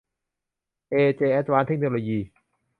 เอเจ แอดวานซ์ เทคโนโลยี